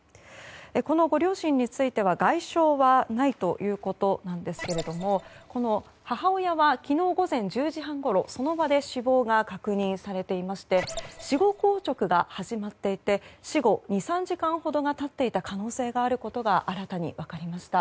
このご両親については外傷はないということですけども母親は昨日午前１０時半ごろその場で死亡が確認されていまして死後硬直が始まっていて死後２３時間ほどが経っていた可能性があることが新たに分かりました。